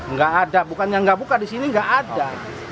nggak ada bukan yang nggak buka di sini nggak ada